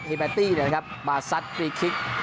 ก็มีแบตตี้นะครับบาซัทพรีคลิก